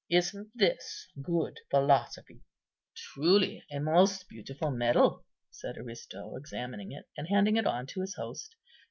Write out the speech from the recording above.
Isn't this good philosophy?" "Truly, a most beautiful medal," said Aristo, examining it, and handing it on to his host.